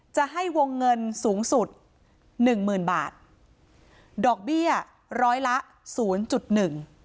จะให้วงเงินสูงสุดหนึ่งหมื่นบาทดอกเบี้ยร้อยละศูนย์จุดหนึ่ง